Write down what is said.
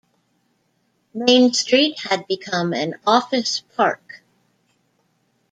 Main street had become an office park.